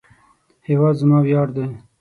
هیواد زما ویاړ دی